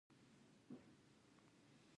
پښتو د ادب او حماسې ژبه ده.